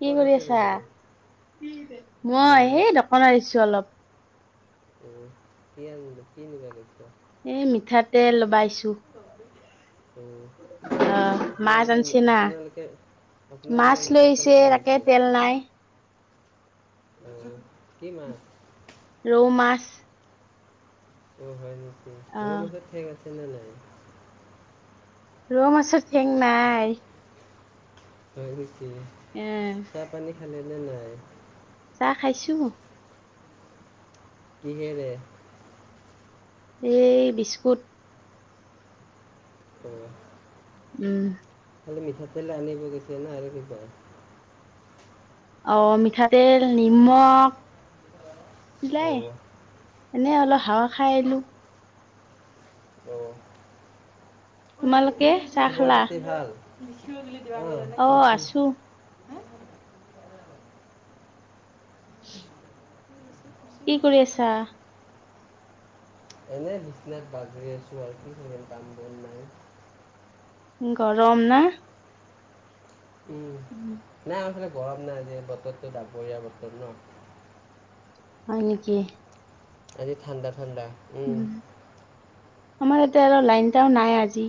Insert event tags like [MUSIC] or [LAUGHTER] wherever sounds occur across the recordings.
কি কৰি আছা? মই সেই দোকানত আহিছো অলপ [INAUDIBLE] এই মিঠাতেল লগবাইছোঁ [INAUDIBLE] অ', মাছ আপোনালোকে আনিছে না আপোনালোকে আপোনালোকে মাছ মিঠাতেল লৈছে খায় তাকে নেকি তেল নাই। কি মাছ? ৰৌ মাছ। অ', হয় নেকি ৰৌ আহ মাছৰ ঠেং আছে নে নাই ৰৌ মাছৰ ঠেং নাই। হয় নেকি এ চাহ পানী খালে নে নাই? চাহ খাইছো। কিহৰে? এই বিস্কুট। অ'। উম। মিঠাতেলে আনিব গৈছে ন' আৰু কিবা অ', মিঠাতেল নিমখ অঁ এনে অলপ হাৱা খাই আহিলো। অঁ তোমালোকে? চাহ খবৰ খালা? পাতি ভাল? অ [INAUDIBLE] আছো। [INAUDIBLE] কি কৰি হ্যাঁ? আছা? এনে বিচনাত বাগৰি আছোঁ আৰু কি [UNINTELLIGIBLE] গৰম না? উম। [INAUDIBLE] নাই [UNINTELLIGIBLE] গৰম নাই যে বতৰটো ডাবৰীয়া বতৰ ন' হয় নেকি? আজি ঠাণ্ডা ঠাণ্ডা। উম আমাৰ ইয়াতে আৰু লাইনটাও নাই আজি।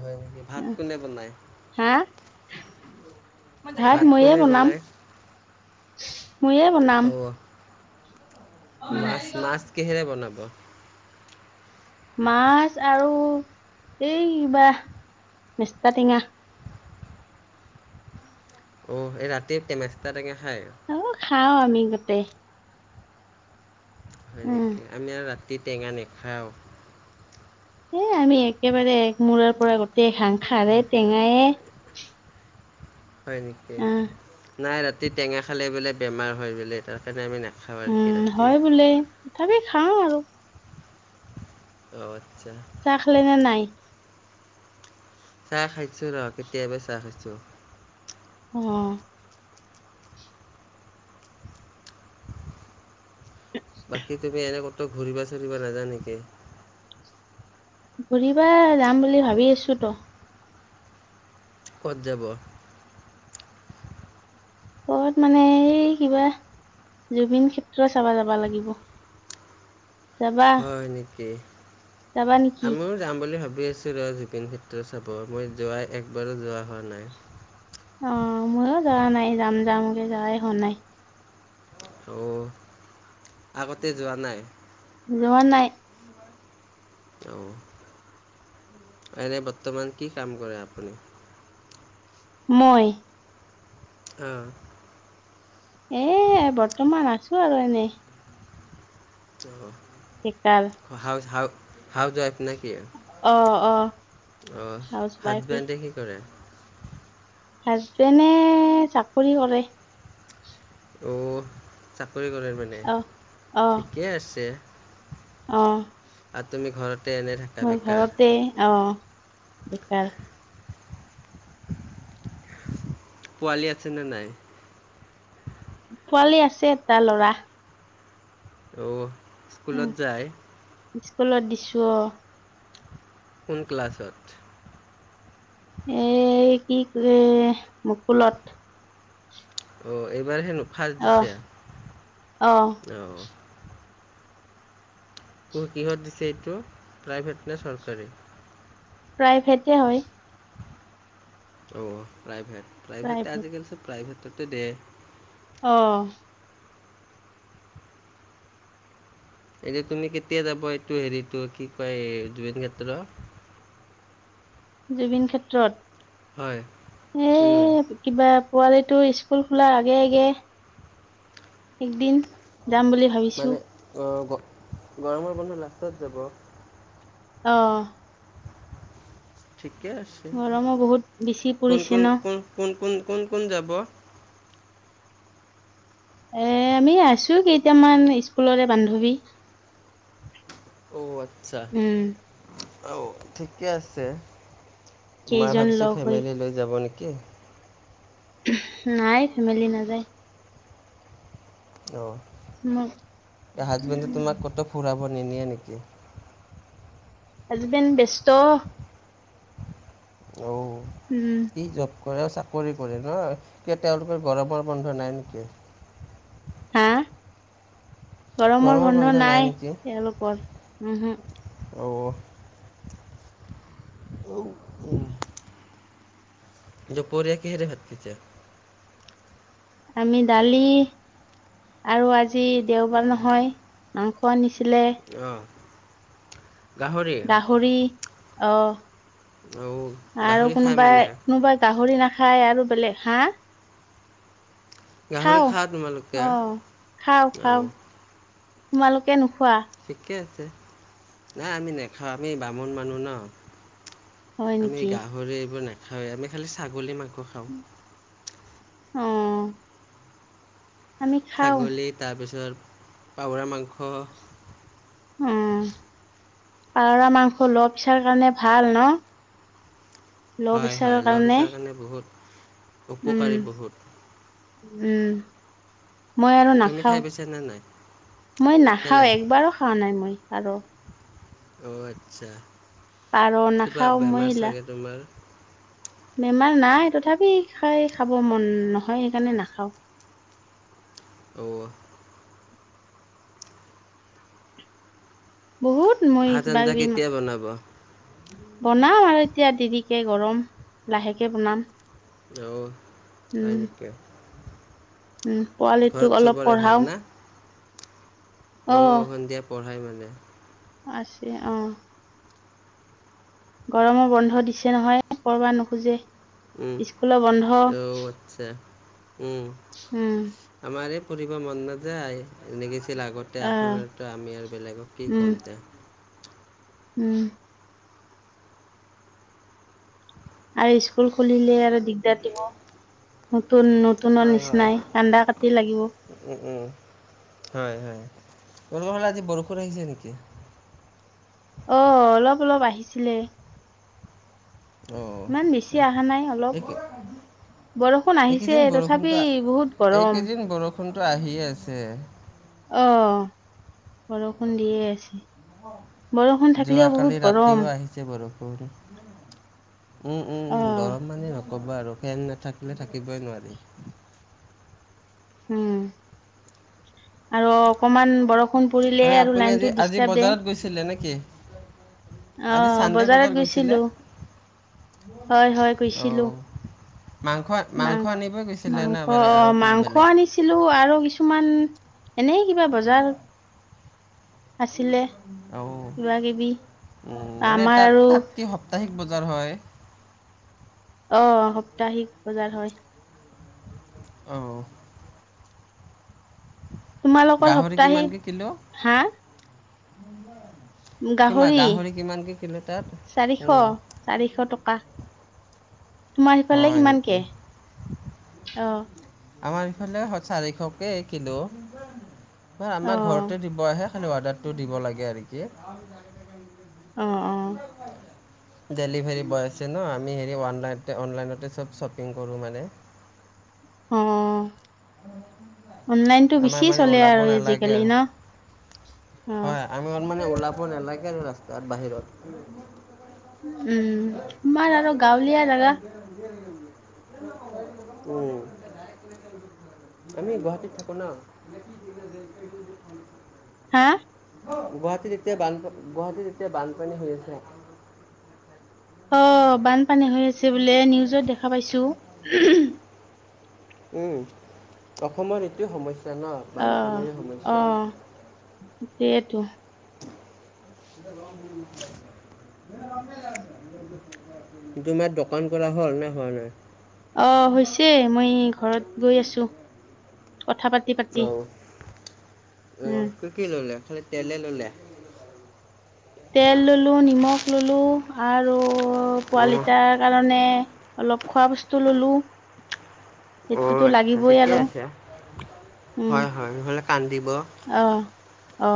হয় নেকি ভাত কোনে বনায়? হা? ভাত ময়ে কোনে বনাম, বনায় ময়ে বনাম। অ' মাছ, মাছ কিহেৰে বনাব? মাছ আৰু এই কিবা মেষ্টা টেঙা। অ', এই ৰাতি মেস্তা টেঙা খায়? অ', খাওঁ আমি গোতেই। হয় উম নেকি আমি আৰু ৰাতি টেঙা নাখাওঁ। এ আমি একেবাৰে মূৰাৰ পৰা গোটেই ঘাং খাৰে টেঙায়ে- হয় নেকি অ নাই ৰাতি টেঙা খালে বোলে বেমাৰ হয় বোলে তাৰ কাৰণে আমি নাখাওঁ। আৰু কি উম ৰাতি হয়, বোলে তথাপি খাও আৰু। অ', আচ্ছা। চাহ খালে নে নাই? চাহ খাইছো ৰ কেতিয়াবা চাহ খাইছো। অ'। বাকী তুমি এনেক কতো ঘূৰিবা চুৰিবা নাজা নেকি? ঘুৰিবা যাম বুলি ভাবি আছো তো। ক'ত যাব? কত মানে এই কিবা জুবিন ক্ষেত্ৰ চাবা যাবা লাগিব। যাবা, হয় নেকি যাবা নেকি? আমিও যাম বুলি ভাবি আছোঁ ৰ জুবিন ক্ষেত্ৰ চাব মই যোৱাই একবাৰো যোৱা হোৱা নাই। অ', ময়ো যোৱা নাই যাম যামকে যোৱাই হোৱা নাই। অ', আগতে যোৱা নাই। যোৱা নাই। অ', এনে বৰ্তমান কি কাম কৰে আপুনি? মই। অ'। এ বৰ্তমান আছো আৰু এনেই। অ'। বেকাৰ। হাউ হা হাউচ ৱাইফ নেকি? অ', অ'। অ', হাউচ ৱাইফে হাজবেণ্ড কি কৰে? হাজবেণ্ডে চাকৰি কৰে। অ', চাকৰি কৰে মানে অ অ ঠিকেই আছে। অ'। আৰু তুমি ঘৰতে এনে থাকাঁ? মোৰ ঘৰতে অ', বেকাৰ। পোৱালি আছে নে নাই? পোৱালী আছে এটা ল'ৰা। অ', উম স্কুলত যায়? স্কুলত দিছো অ'। কোন ক্লাছত? এ কি মুকুলত। অ', এইবাৰ হেনো ফাৰ্ষ্ট অ অ দিছে অ'। কিহত দিছে এইটো প্ৰাইভেট নে চৰকাৰী? প্ৰাইভেটে হয়। অ', প্ৰাইভেট প্ৰাইভেট আজিকালি চ প্ৰাইভেটতো দে। অ'। এতিয়া তুমি কেতিয়া যাব এইটো হেৰিটো কি কয় জুবিন ক্ষেত্ৰ- জুবিন হয় ক্ষেত্ৰত উম, এই কিবা পোৱালিটো স্কুল খোলাৰ আগে আগে একদিন। যাম বুলি ভাবিছোঁ। অ' গৰমৰ বন্ধৰ লাষ্টত যাব? অহ' ঠিকে আছে, গৰমো বহুত বেছি কোন পৰিছে কোন ন কোন কোন কোন কোন কোন যাব। এ আমি আছোঁ, কেইটামান স্কুলৰে বান্ধৱী। অ' আচ্ছা, উম অ' ঠিকে আছে। মই কেইজন ভাবিছোঁ লগ হৈ ফেমিলি লৈ যাব নেকি? নাই ফেমেলি নাযায়। মোৰ অ' হাজবেণ্ডে তোমাক ক'তো ফুৰাব নি নিয়ে নেকি? হাজবেণ্ড ব্যস্ত অ' উম। কি জব কৰে আৰু চাকৰি কৰে ন কি তেওঁলোকৰ গৰমৰ বন্ধ নাই নেকি? হা গৰমৰ বন্ধ নাই তেওঁলোকৰ হ'ম হ'ম। অ' [UNINTELLIGIBLE] দুপৰিয়া কিহৰে দি ভাত খাইছা? আমি দালি আৰু আজি দেওবাৰ নহয়, মাংস আনিছিলে। অ' গাহৰি অ' আৰু গাহৰি খাই মানে কোনোবাই কোনোবা। গাহৰি নাখায় আৰু বেলেগ হাঁহ গাহৰি খাওঁ খোৱা তোমালোকে আহ খাওঁ খাওঁ। অ' তোমালোকে নোখোৱা। ঠিকে আছে, নাই আমি নেখাওঁ আমি বামুণ মানুহ ন। হয় আমি নেকি গাহৰি এইবোৰ নাখাওঁৱেই। আমি খালি ছাগলী মাংস খাওঁ। অহ' ছাগলী তাৰপিছত পউৰা মাংস। অ' পাৱৰা মাংস লো পেছাৰ কাৰণে ভাল ন। ল' হয়, প্ৰেছাৰৰ হয়, লোৰা পেচাৰ কাৰণে বহুত উম উপকাৰী বহুত। উম। মই আৰু তুমি নাখাওঁ। খাই পাইছানে নাই মই নাখাওঁ, কেলাই একবাৰো খোৱা নাই মই আৰু। অ' আচ্ছা পাৰ কিবা নাখাওঁ মই বেমাৰ চাগে তোমাৰ। বেমাৰ নাই তথাপি খাই খাব মন নহয় সেইকাৰণে নাখাওঁ। অ' বহুত মই ভাত কিবা আঞ্জা কিবি কেতিয়া বনাব বনাম আৰু এতিয়া দেৰিকে গৰম লাহেকে বনাম। অ' হয়া উম নেকিয়া। উম, পোৱালিটোক অলপ চবৰে পঢ়াও। অ' সন্ধিয়া পঢ়াই মানে। আছে অ' গৰমৰ বন্ধ দিছে নহয় পঢ়বাৰ নোখোঁজে। উম, অ' আচ্ছা উম। উম। আমাৰ এই পৰিবাৰৰ মন নাযায় এনেগৈছিল আগত। আহ তেআখনতে আমি আৰু বেলেগক কি উম ক'মতে। উম। আৰু স্কুল খুলিলে আৰু দিগদাৰ দিব। নতুন, নতুনৰ নিচিনাই কান্দা কাটি লাগিব। উম্, উম্, হয় হয়, তোমালোকৰ ফালে আজি বৰষুণ আহিছে নেকি? অ', অলপ অলপ আহিছিলে। অঁ ইমান বেছি আচ্ছা অহা নাই অলপ। এই কি- বৰষুণ আহিছে, এইকেইদিন তথাপি বহুত গৰম। ফোনটো আহিয়ে আছে। অ', বৰষুণ দিয়ে আছে। বৰষুণ থাকিলেও, যোৱাকালি বহুত ৰাতিও গৰম। আহিছে বৰষুণ উম্, অ উম্, গৰম মানে- নক'বা আৰু ফেন নাথাকিলে থাকিবই নোৱাৰি। উম। উম্। আৰু অকমান বৰষুণ পৰিলে আৰু লাইনটো ডিষ্টাৰ্ব দিয়ে। ছিলে নেকি? অ', বজাৰত গৈছিলোঁ, হয়, হয়, গৈছিলোঁ। অঁ মাংস মাংস, আনিবই গৈছিলে নে আৰু কিবা মাংস বেলেগ আনিছে ছিলো আৰু কিছুমান এনে কিবা বজাৰ আছিলে অঁ কিবা কিবি আমাৰ আৰু সাপ্তাহিক বজাৰ হয়। অ', সাপ্তাহিক বজাৰ হয়। অ', তোমালোকৰ গাহৰি সপ্তাহিক, কিমানকৈ কিলো হা। কিমা গাহৰি, কিমানকৈ কিলো তাত চাৰিশ। উম, চাৰিশ টকা, তোমাৰ সেইফালে হয় কিমান কে। নেকি অ', আমাৰ এইফালে চাৰিশকৈ কিলো, অ আমাৰ ঘৰতে দিব আহে। খালি অৰ্ডাৰটো দিব লাগে আৰু কি। অ ডেলিভাৰী বয় আছে ন। আম- আমি হেৰি অনলাইন, অনলাইনতে চব শ্বপিং কৰোঁ মানে। অ', অনলাইনটো আমাৰ বেছি মানে চলে ওলাব আৰু নালাগে আজিকালি আৰু ন। অ হয়, আমি অলমানে উলাব নলাগে, ৰাস্তাৰ বাহিৰত। উম্, আমাৰ আৰু গাঁৱলীয়া জাগা। িয়ে ন নে [UNINTELLIGIBLE] উ উম্, আমি গুৱাহাটীত থাকো না। হা, গুৱাহাটীত এতিয়া বান, গুৱাহাটীত এতিয়া বানপানী হৈ আছে। অ', বানপানী হৈ আছে বোলে। নিউজত দেখা পাইছোঁ। উম্, অসমৰ এইটোয় সমস্যা ন, বানপানীৰ সমস্যা। সেইতো। [INAUDIBLE] ৰম ল [UNINTELLIGIBLE] তোমাৰ দোকান কৰা হ'ল নে হোৱা নাই। অ', হৈছে মই ঘৰত গৈ আছোঁ কথা প অ', উম অ' কি কি ললে, খালি তেলে ললে। তেল ললোঁ, নিমখ ললোঁ আৰু অ', পোৱালিটাৰ কাৰণে অলপ খোৱা বস্তু ললোঁ। আচছা ঠিকে আৰু আছে, উম হয়, হয়, নহ'লে কান্দিব। অ', অ'।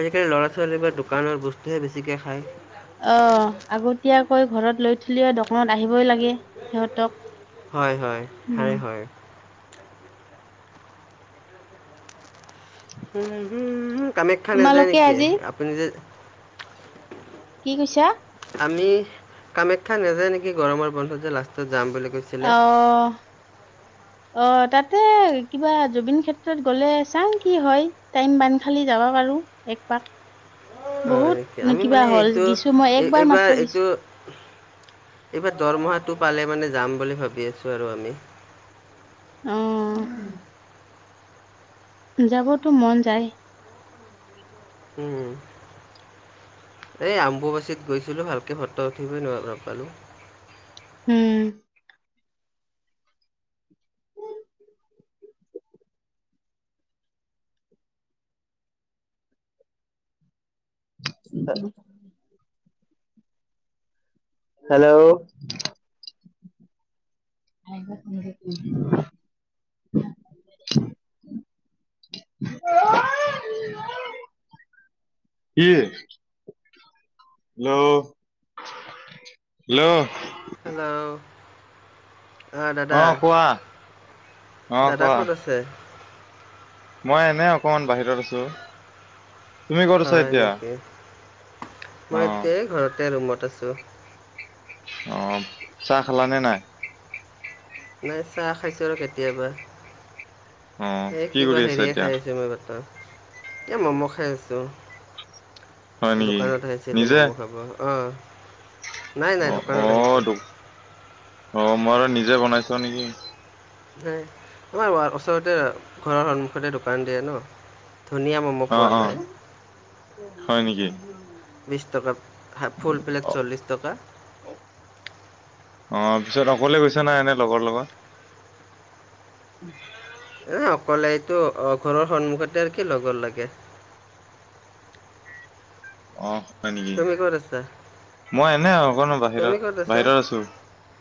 আজিকালি ল'ৰা ছোৱালী বা দোকানৰ বস্তুহে বেছিকে খায়। অ', আগতীয়াকৈ ঘৰত লৈ থিলিও দোকনত আহিবই লাগে সিহঁতক। হয়, হয়, হয়, উম, হয়। হম, কামাখ্যা নাযায় তোমালোকে নেকি আজি আপুনি যে কি কৈছা? আমি কামাখ্যা নাযায় নেকি গৰমৰ বন্ধত যে লাষ্টত যাম বুলি কৈছো। অ'। [INAUDIBLE] অ', তাতে কিবা জুবিন ক্ষেত্ৰত গ'লে চাওঁ কি হয়, টাইম বান্ধ খালি যাবা পাৰো। একবাৰ। হয়, আমি মানে এইটো গিছো মই একবাৰ এইবাৰ মাত্ৰ গিছো এইটো এইবাৰ দৰমহাটো পালে মানে যাম বুলি ভাবি আছো আৰু আমি। অ'। যাবতো মন যায়। উম, এই আম্বুবাচীত গৈছিলোঁ ভাল একে ফটো উঠিবই নাপালোঁ। উম। [UNINTELLIGIBLE] হেল্ল'। [INAUDIBLE] [INAUDIBLE] কি? Hello, hello. হেল্ল'। আহ দাদা, অ', কোৱা অ', দাদা কোৱা কত আছে? মই এনে অকমান বাহিৰত আছোঁ, তুমি ক'ত আছা হয় এতিয়া? নেকি অ মই এতিয়াই ঘৰতে ৰুমত আছোঁ। অ', চাহ খালা নে নাই? নাই চাহ খাইছোঁ আৰু কেতিয়াবা, অ এই কি কৰি কিবা আছা হেৰিয়ে এতিয়া খাই আছো। এতিয়া ম'ম' খাই আছোঁ। হয় নেকি দোকানত আহিছিলো নিজে ম'ম' খাব, অ', নাই, নাই অ অ দোকানত আহিছো। দো অ', মই আৰু নিজে বনাইছ নেকি। আমাৰ ওচৰতে ঘৰৰ সন্মুখতে দোকান দিয়ে ন ধুন অ', অ' হয় নেকি? বিশ টকা ফুল প্লেট অ চল্লিছ টকা। অ', পিছত অকলে গৈছে নাই এনে লগৰ লগত? উম। এ, অকলে এইটো অ', ঘৰৰ সন্মুখতে আৰু কি লগৰ লাগে। অ', হয় নেকি? তুমি ক'ত আছা মই এনে অকন তুমি ক'ত আছা বাহিৰত-বাহিৰত আছো।